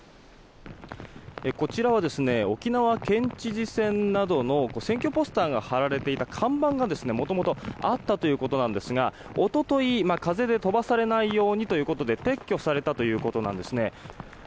こちらは沖縄県知事選などの選挙ポスターが貼られていた看板がもともとあったということなんですが一昨日、風で飛ばされないようにということで撤去されたということなんですね。